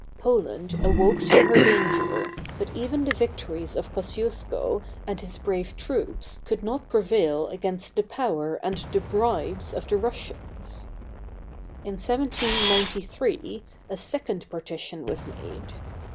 Poland awoke to her danger, but even the victories of Kosciusko and his brave troops could not prevail against the power and the bribes of the Russians. In 1793, a Second Partition was made.